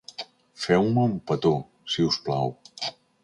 Feu-me un petó, si us plau.